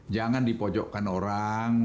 jangan dipojokkan orang